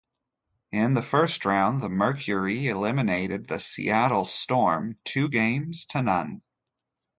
In the first round, the Mercury eliminated the Seattle Storm two games to none.